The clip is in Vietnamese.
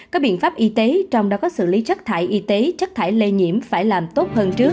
các biện pháp y tế trong đó có xử lý chất thải y tế chất thải lây nhiễm phải làm tốt hơn trước